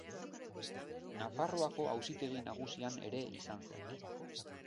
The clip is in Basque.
Nafarroako Auzitegi Nagusian ere izan zen.